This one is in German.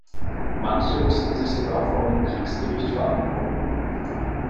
Manche mussten sich sogar vor einem Kriegsgericht verantworten.